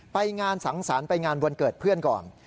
ไปงานสังสรรค์ไปงานวันเกิดเพื่อนก่อน